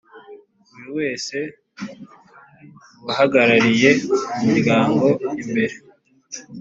Buri wese mu Bahagarariye umuryango imbere